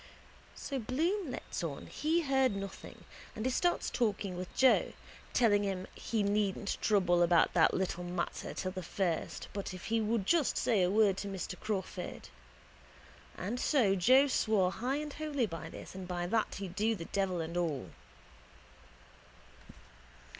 So Bloom lets on he heard nothing and he starts talking with Joe, telling him he needn't trouble about that little matter till the first but if he would just say a word to Mr Crawford. And so Joe swore high and holy by this and by that he'd do the devil and all.